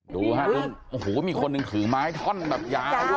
ดูฮะดูโอ้โหมีคนหนึ่งถือไม้ท่อนแบบยาว